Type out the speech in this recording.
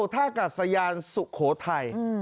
ท่ากัดสยานสุโขทัย